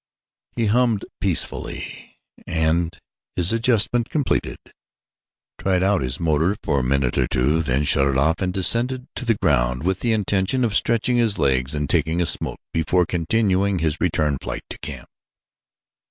He hummed peacefully and, his adjustment completed, tried out his motor for a minute or two, then shut it off and descended to the ground with the intention of stretching his legs and taking a smoke before continuing his return flight to camp.